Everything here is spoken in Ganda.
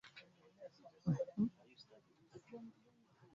abakozi ba bizineesi abagezi kati basuubula bintu ku layisi.